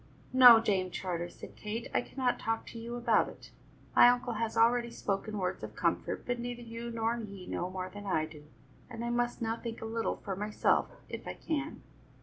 "No, Dame Charter," said Kate, "I cannot talk to you about it. My uncle has already spoken words of comfort, but neither you nor he know more than I do, and I must now think a little for myself, if I can."